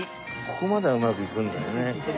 ここまではうまくいくんだよね。